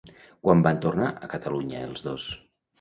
Quan van tornar a Catalunya els dos?